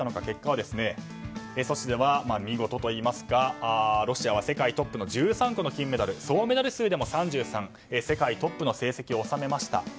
結果は、ソチでは見事といいますかロシアは世界トップの１３個の金メダル総メダル数でも３３と世界トップの成績を収めました。